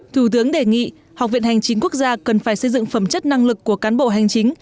thủ tướng đề nghị học viện hành chính quốc gia cần phải xây dựng phẩm chất năng lực của cán bộ hành chính